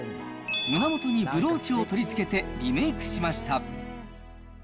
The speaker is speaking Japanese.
胸元にブローチを取り付けてリメークしました。